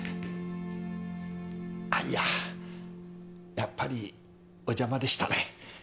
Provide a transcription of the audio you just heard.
あっいややっぱりお邪魔でしたね。